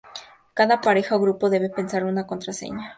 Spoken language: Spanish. Cada pareja o grupo debe pensar una contraseña.